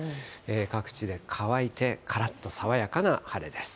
各地で乾いて、からっと爽やかな晴れです。